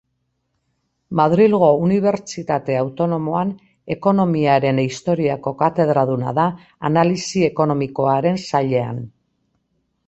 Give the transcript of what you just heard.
Madrilgo Unibertsitate Autonomoan Ekonomiaren Historiako katedraduna da Analisi Ekonomikoaren Sailean.